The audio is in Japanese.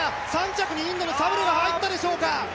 ３着にインドのサブレが入ったでしょうか。